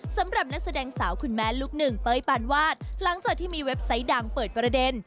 สำหรับนักแสดงสาวคุณแม่ลูกหนึ่งเป้ยปานวาดหลังจากที่มีเว็บไซต์ดังเปิดประเด็น